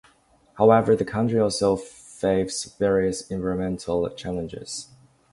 However, the country also faces various environmental challenges.